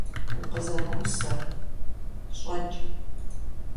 УкъызэмыӀусэ! ЩӀэкӀ!